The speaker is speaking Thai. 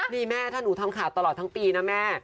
นี่แม่ถ้าหนูทำข่าวตลอดทั้งปีนะแม่